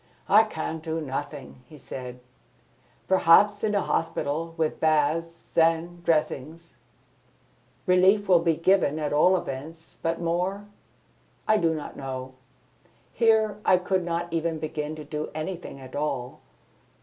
"I can do nothing," he said. "Perhaps, in a hospital, with baths and dressings ! Relief will be given at all events; but more? I do not know. Here I could not even begin to do anything at all.